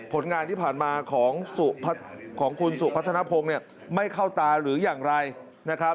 ผลงานที่ผ่านมาของคุณสุพัฒนภงเนี่ยไม่เข้าตาหรืออย่างไรนะครับ